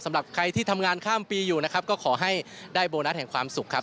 สำหรับใครที่ทำงานข้ามปีอยู่นะครับก็ขอให้ได้โบนัสแห่งความสุขครับ